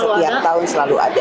setiap tahun selalu ada